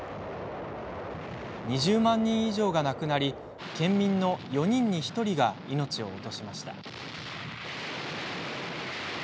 ２０万人以上が亡くなり県民の４人に１人が命を落としました。